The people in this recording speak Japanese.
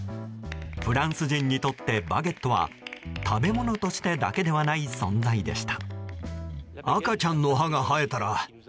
フランス人にとってバゲットは食べ物としてだけではない存在でした。